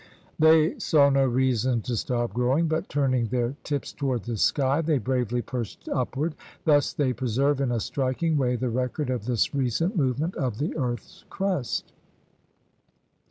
They saw no reason to stop growing, but, turning their tips toward the sky, they bravely pushed upward. Thus they preserve in a striking way the record of this recent movement of the earth's crust.